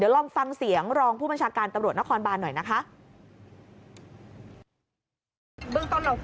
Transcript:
ลองฟังเสียงรองผู้บัญชาการตำรวจนครบานหน่อยนะคะ